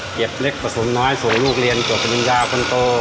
เก็บเล็กประสงค์น้อยส่งลูกเรียนจดคุณยาคนโต